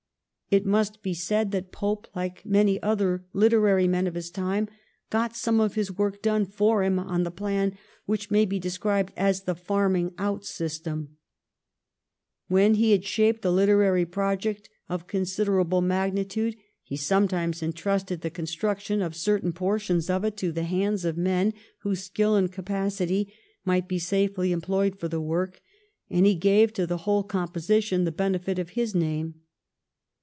, It must be said that Pope, like many other literary men of his time, got some of his work done for him on the plan which may be described as the farming out system. When he had shaped a literary project of considerable magnitude he sometimes entrusted the construction of certain portions of it to the hands of men whose skill and capacity might be safely employed for the work, and he gave to the whole composition the benefit of his name.